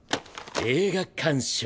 映画鑑賞。